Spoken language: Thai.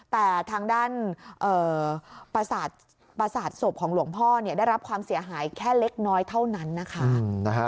แต่ทางด้านประสาทศพของหลวงพ่อได้รับความเสียหายแค่เล็กน้อยเท่านั้นนะคะ